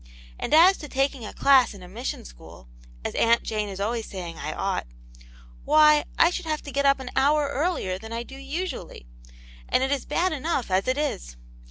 And as to taking a class in a mission school, as Aunt Jane is always saying I ought, why, I should have to get up an hour earlier than I do usually, and it is bad enough as it is.